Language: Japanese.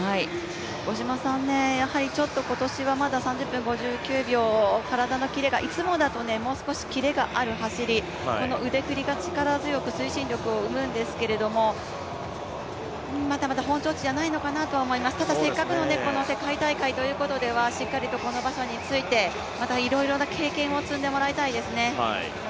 五島さん、今年はちょっと３０分５９秒、体のキレがいつもだともう少しキレがある走り、この腕振りが力強く、推進力を生むんですけれども、まだまだ本調子じゃないのかなとは思います、ただ、せっかくの世界大会ということではしっかりとこの場所について、またいろいろな経験を積んでもらいたいですね。